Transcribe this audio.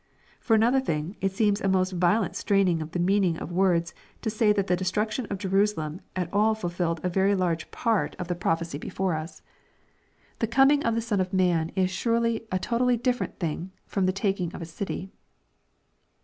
For another thing, it seem? a most violent straining of the meaning of wc>rds to say that thf destruction of Jerusalem at all fulfillec^ a very large nart of tb^ LUKE, CHAP. XX [. 381 prophecy before as. The coming of tlie Son of man is surely a to tally difterent thing from the taking of a city.